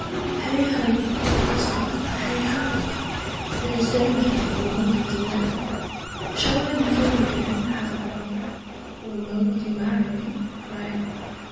Heigh ho! for a husband! Heigh ho! There's danger in longer delay! Shall I never again have a beau? Will nobody marry me, pray!